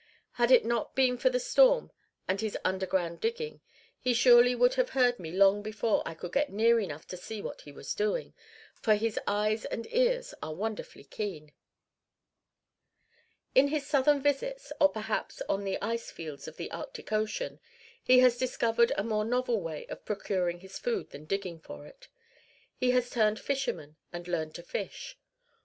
Had it not been for the storm and his underground digging, he surely would have heard me long before I could get near enough to see what he was doing; for his eyes and ears are wonderfully keen. In his southern visits, or perhaps on the ice fields of the Arctic ocean, he has discovered a more novel way of procuring his food than digging for it. He has turned fisherman and learned to fish.